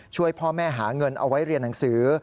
ช่วยพ่อแม่หาเงินเอาไว้เรียนหนังสือ